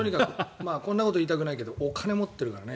こんなこと言いたくないけどお金持っているからね。